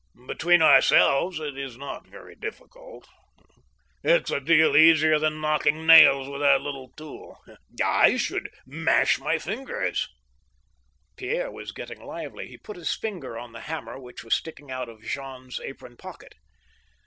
Between our selves, it is not very difficult ... It's a deal easier than knocking nails with that little tool. ... I should mash my fingers —" Fierre was getting lively ; he put his finger on the hammer which was sticking out of Jean's apron pocket.